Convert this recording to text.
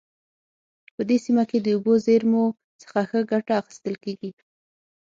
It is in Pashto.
په دې سیمه کې د اوبو د زیرمو څخه ښه ګټه اخیستل کیږي